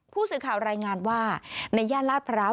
ผู้สื่อข่าวรายงานว่าในย่านลาดพร้าว